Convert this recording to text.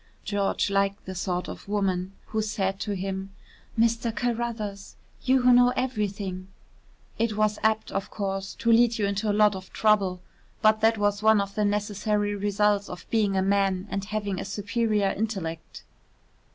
George liked the sort of woman who said to him: "Mr. Carruthers, you who know everything " It was apt, of course, to lead you into a lot of trouble, but that was one of the necessary results of being a man and having a superior intellect.